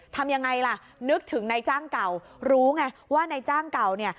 ทำยังไงล่ะนึกถึงนายจ้างเก่ารู้ไงว่านายจ้างเก่าเนี่ย